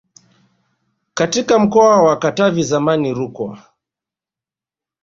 katika mkoa wa Katavi zamani Rukwa